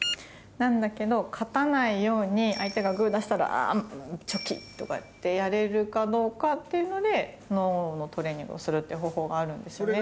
なんだけど勝たないように相手がグ出したらチョキとかってやれるかどうかっていうので脳のトレーニングをするっていう方法があるんですよね。